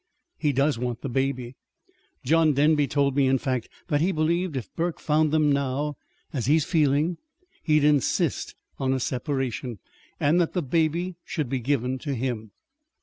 He does want the baby. John Denby told me, in fact, that he believed if Burke found them now, as he's feeling, he'd insist on a separation; and that the baby should be given to him."